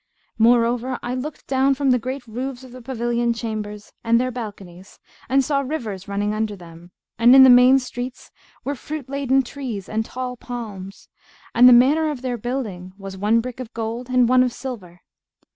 Moreover, I looked down from the great roofs of the pavilion chambers and their balconies and saw rivers running under them; and in the main streets were fruit laden trees and tall palms; and the manner of their building was one brick of gold and one of silver.